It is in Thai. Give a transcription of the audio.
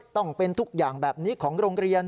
ต้องเป็นทุกอย่างแบบนี้ของโรงเรียน